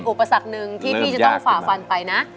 อุปสรรคหนึ่งที่พี่จะต้องฝ่าฟันไปนะ